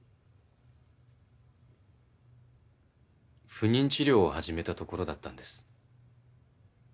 不妊治療を始めたところだったんです。